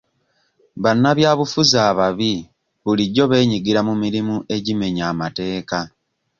Bannabyabufuzi ababi bulijjo beenyigira mu mirimu egimenya amateeka.